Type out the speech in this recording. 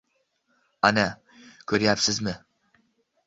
— Ana, ko’ryapsanmi?